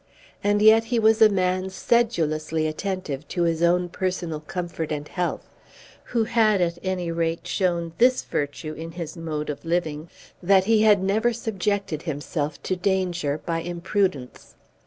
And yet he was a man sedulously attentive to his own personal comfort and health, who had at any rate shown this virtue in his mode of living, that he had never subjected himself to danger by imprudence.